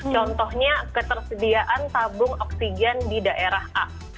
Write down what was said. contohnya ketersediaan tabung oksigen di daerah a